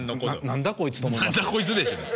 「何だ？こいつ」でしょうね。